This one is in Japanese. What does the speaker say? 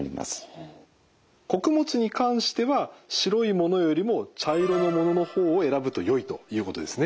穀物に関しては白いものよりも茶色のものの方を選ぶとよいということですね。